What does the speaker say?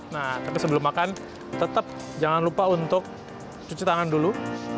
nah tapi sebelum makan tetap jangan lupa untuk cuci tangan dulu